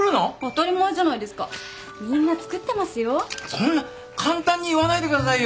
そんな簡単に言わないでくださいよ。